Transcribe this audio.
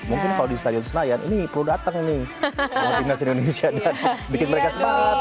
mungkin kalau di stadion senayan ini perlu datang nih timnas indonesia dan bikin mereka semangat